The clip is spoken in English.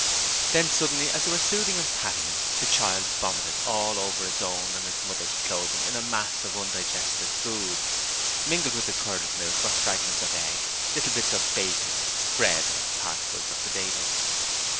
Then suddenly as they were soothing and patting him, the child vomited all over its own and its mother's clothing a mass of undigested food. Mingled with the curdled milk were fragments of egg, little bits of bacon, bread and particles of potato.